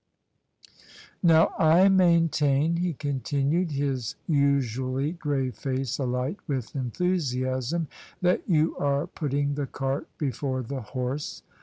" Now I maintain," he continued, his usually grave face alight with enthusiasm, " that you are putting the cart before the horse.